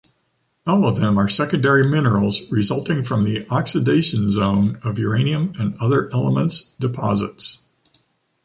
All of them are secondary minerals resulting from the oxidation zone of uranium and other elements deposits.